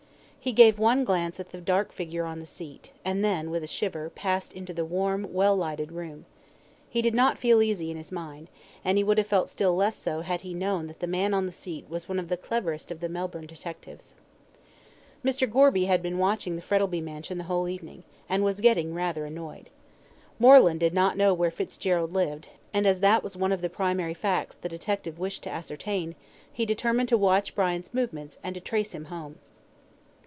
He gave one glance at the dark figure on the seat, and then, with a shiver, passed into the warm, well lighted room. He did not feel easy in his mind, and he would have felt still less so had he known that the man on the seat was one of the cleverest of the Melbourne detectives. Mr. Gorby had been watching the Frettlby mansion the whole evening, and was getting rather annoyed. Moreland did not know where Fitzgerald lived, and as that was one of the primary facts the detective wished to ascertain, he determined to watch Brian's movements, and to trace him home.